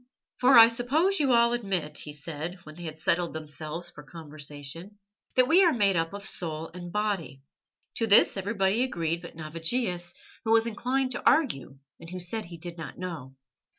"For I suppose you all admit," he said, when they had settled themselves for conversation, "that we are made up of soul and body." To this everybody agreed but Navigius, who was inclined to argue, and who said he did not know.